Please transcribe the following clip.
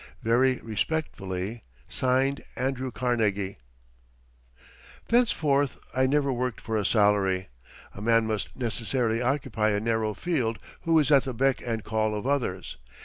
Very respectfully (Signed) ANDREW CARNEGIE Thenceforth I never worked for a salary. A man must necessarily occupy a narrow field who is at the beck and call of others.